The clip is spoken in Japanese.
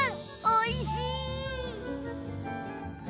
おいしい。